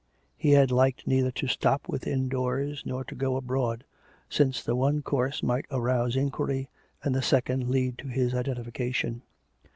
He had liked neither to stop within doors nor to go abroad, since the one course might arouse inquiry and the second lead to his identification.